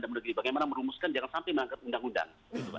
dan kemudian bagaimana merumuskan jangan sampai mengangkat undang undang